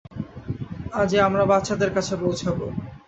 আজই আমরা বাচ্চাদের কাছে পৌঁছাবো।